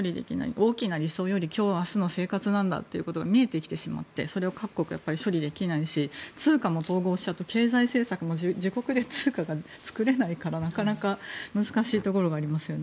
大きな理想より、今日明日の生活なんだということが見えてきてしまってそれが各国が処理できないし通貨も統合しちゃって経済政策も自国で通貨が作れないからなかなか難しいところがありますよね。